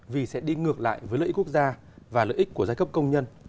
vì sẽ đi ngược lại với lợi ích quốc gia và lợi ích của giai cấp công nhân